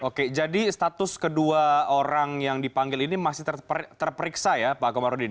oke jadi status kedua orang yang dipanggil ini masih terperiksa ya pak komarudin